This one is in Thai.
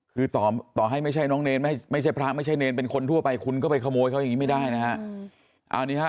คือต่อไม่ใช่พระไม่ใช่เนรเป็นคนทั่วไปคุณก็ไปขโมยเขายังไม่ได้นะฮะ